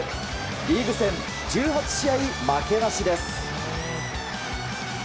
リーグ戦１８試合負けなしです。